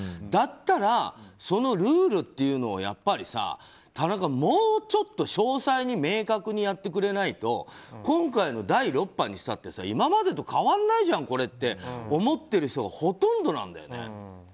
だったら、そのルールというのをやっぱりさ田中、もうちょっと詳細に明確にやってくれないと今回の第６波にしても、今までと変わらないじゃん、これって思っている人がほとんどなんだよね。